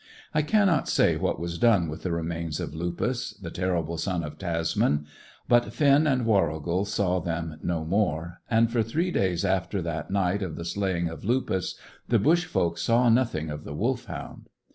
I cannot say what was done with the remains of Lupus, the terrible son of Tasman; but Finn and Warrigal saw them no more, and for three days after that night of the slaying of Lupus, the bush folk saw nothing of the Wolfhound.